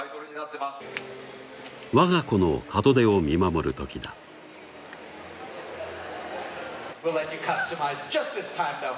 我が子の門出を見守る時だアッ！